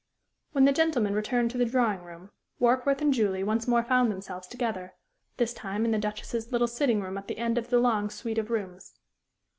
When the gentlemen returned to the drawing room, Warkworth and Julie once more found themselves together, this time in the Duchess's little sitting room at the end of the long suite of rooms.